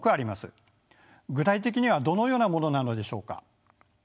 具体的にはどのようなものなのでしょうか。